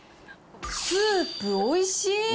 スープおいしい！